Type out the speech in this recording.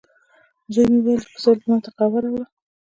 زوی مې وویل، چې مې پسه ما ته قهوه راوړه.